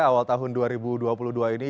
awal tahun dua ribu dua puluh dua ini